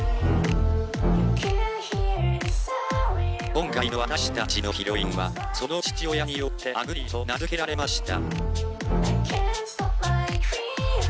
「今回の私たちのヒロインはその父親によって『あぐり』と名付けられました」。